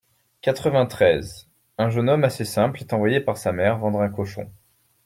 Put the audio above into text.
quatre-vingt-treize), un jeune homme assez simple est envoyé par sa mère vendre un cochon.